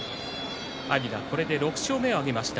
阿炎がこれで６勝目を挙げました。